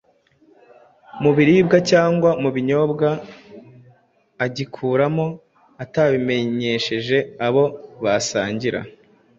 mu biribwa cyangwa mu binyobwa agikuramo atabimenyesheje abo basangira.